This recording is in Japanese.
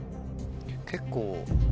結構。